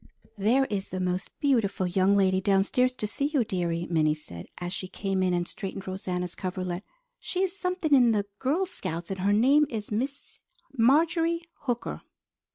"There is the most beautiful young lady downstairs to see you, dearie," Minnie said, as she came in and straightened Rosanna's coverlet. "She is something in the Girl Scouts, and her name is Miss Marjorie Hooker."